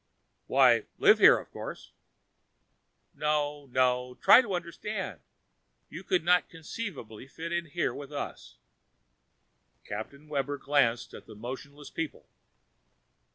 "Why, live here, of course!" "No, no try to understand. You could not conceivably fit in here with us." Captain Webber glanced at the motionless people.